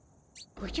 おじゃ？